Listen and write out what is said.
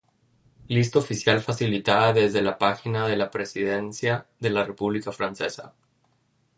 Lista oficial facilitada desde la página de la Presidencia de la República Francesa.